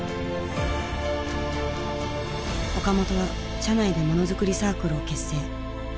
岡本は社内でモノづくりサークルを結成。